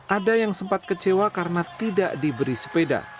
ada yang sempat kecewa karena tidak diberi sepeda